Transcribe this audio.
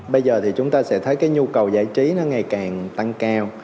bây giờ thì chúng ta sẽ thấy cái nhu cầu giải trí nó ngày càng tăng cao